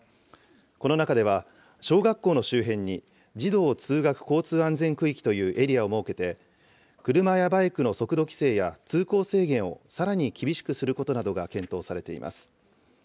この中では、小学校の周辺に児童通学交通安全区域というエリアを設けて、車やバイクの速度規制や通行制限をさらに厳しくすることなどが検討されています。